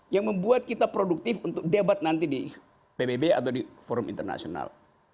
yang membuat kita produktif untuk debat nanti di pbb atau di forum internasional